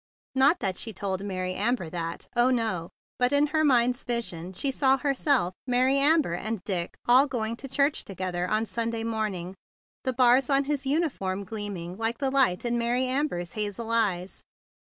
Not that she told Mary Amber that, oh, no! But in her mind's vision she saw herself, Mary Amber, and Dick all going to¬ gether to church on Sunday morning, the bars on his uniform gleaming like 10 THE BIG BLUE SOLDIER the light in Mary Amber's hazel eyes.